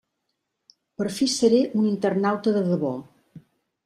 Per fi seré un internauta de debò!